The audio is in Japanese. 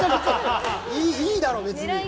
いいだろ、別に。